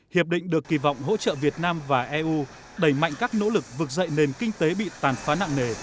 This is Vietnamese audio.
hiệp định được kỳ vọng hỗ trợ việt nam và eu đẩy mạnh các nỗ lực vực dậy nền kinh tế bị tàn phá nặng nề